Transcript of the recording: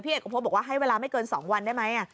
เอกพบบอกว่าให้เวลาไม่เกิน๒วันได้ไหม